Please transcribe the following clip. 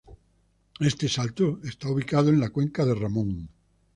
Este salto está ubicado en la cuenca de Ramón.